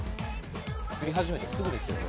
釣り始めてすぐですよ。